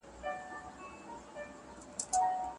موږ به راتلونکی کال هم کار کوو.